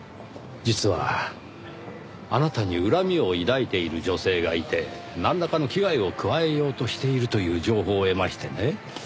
実はあなたに恨みを抱いている女性がいてなんらかの危害を加えようとしているという情報を得ましてね。